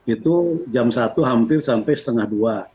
itu jam satu hampir sampai setengah dua